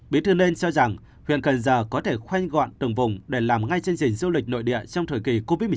bí thư nên cho rằng huyện cần giờ có thể khoanh gọn từng vùng để làm ngay chương trình du lịch nội địa trong thời kỳ covid một mươi chín